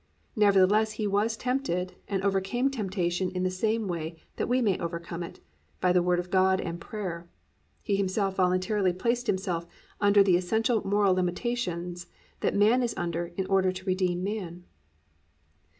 Nevertheless, He was tempted and overcame temptation in the same way that we may overcome it, by the Word of God and prayer. He Himself voluntarily placed Himself under the essential moral limitations that man is under in order to redeem man.